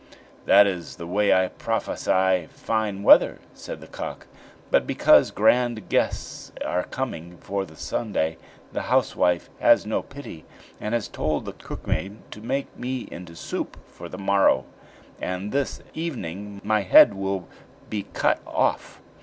"That is the way I prophesy fine weather," said the cock; "but because grand guests are coming for the Sunday, the housewife has no pity, and has told the cook maid to make me into soup for the morrow; and this evening my head will be cut off.